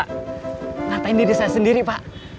ngapain diri saya sendiri pak